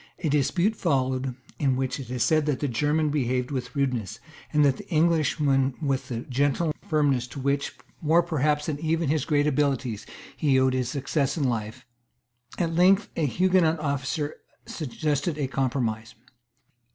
A dispute followed, in which it is said that the German behaved with rudeness, and the Englishman with that gentle firmness to which, more perhaps than even to his great abilities, he owed his success in life. At length a Huguenot officer suggested a compromise.